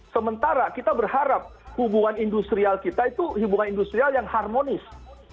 sementara kita berharap hubungan industrial kita itu hubungan industrial yang harmonis